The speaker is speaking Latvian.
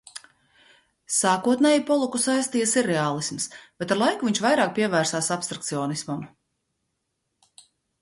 Sākotnēji Poloku saistīja sirreālisms, bet ar laiku viņš vairāk pievērsās abstrakcionismam.